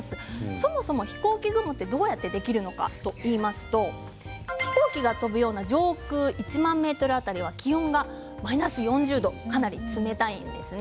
そもそも飛行機雲どうやってできるのかというと飛行機が飛ぶような上空１万ｍ辺りは気温がマイナス４０度かなり冷たいですね。